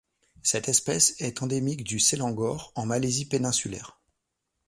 Cette espèce est endémique du Selangor en Malaisie péninsulaire.